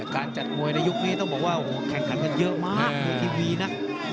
การจัดมวยในยุคนี้ต้องบอกว่าโอ้โหแข่งขันกันเยอะมากในทีวีนะ